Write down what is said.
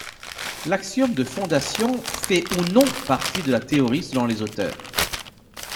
L'axiome de fondation fait ou non partie de la théorie selon les auteurs.